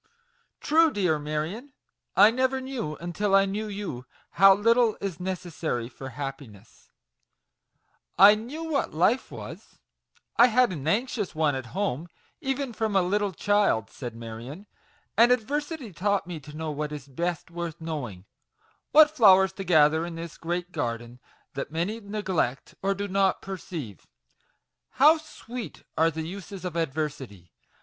" True, dear Marion ! I never knew, until I knew you, how little is necessary for happi ness V "I knew what life was I had an anxious one at home, even from a little child," said Marion, "and adversity taught me to know what is best worth knowing; what flowers to gather in this great garden, that many neglect, or do not perceive. How sweet are the uses of adversity